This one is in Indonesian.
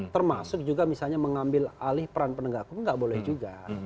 termasuk juga misalnya mengambil alih peran penegak hukum nggak boleh juga